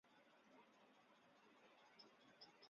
而相关的发动机也进行研发中。